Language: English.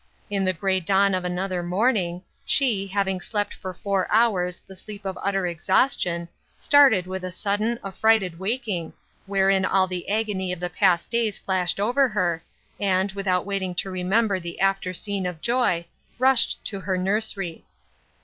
In the gray dawn of another morning, she, having slept for four hours the sleep of utter exhaustion, started with a sudden, affrighted waking, wherein all the agony of the past days flashed over her, and, without waiting to remember the after scene o.' joy, rushed to her nursery.